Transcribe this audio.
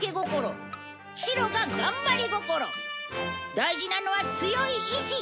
大事なのは強い意志！